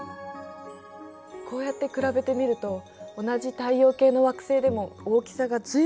こうやって比べてみると同じ太陽系の惑星でも大きさが随分違うことがわかるね。